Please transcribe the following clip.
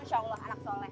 insya allah anak soleh